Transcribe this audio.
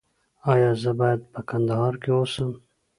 ایا زه باید په کندهار کې اوسم؟